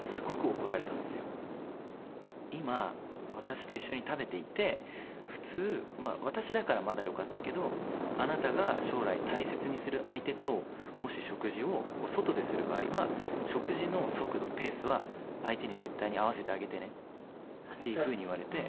「今私と一緒に食べていて普通私だからまだよかったけどあなたが将来大切にする相手ともし食事を外でする場合は食事の速度ペースは相手に絶対に合わせてあげてね」っていう風に言われて。